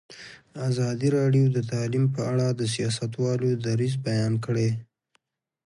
ازادي راډیو د تعلیم په اړه د سیاستوالو دریځ بیان کړی.